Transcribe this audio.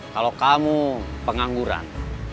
kalau kamu pengangguran